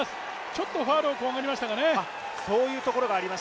ちょっとファウルを怖がりましたね。